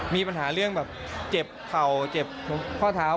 มีปัญหาเรื่องแบบเจ็บเข่าเจ็บข้อเท้า